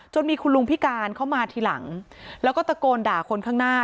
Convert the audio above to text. มีคุณลุงพิการเข้ามาทีหลังแล้วก็ตะโกนด่าคนข้างหน้า